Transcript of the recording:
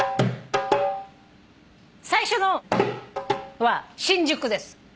最初の。は「新宿」です。